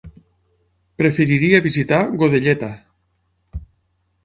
Preferiria visitar Godelleta.